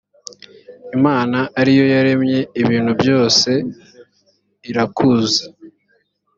imana ari yo yaremye ibintu byose irakuzi